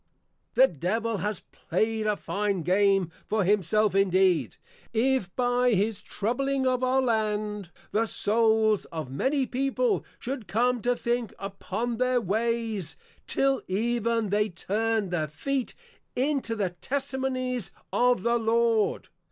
_ The Devil has plaid a fine Game for himself indeed, if by his troubling of our Land, the Souls of many People should come to think upon their ways, till even they turn their Feet into the Testimonies of the Lord.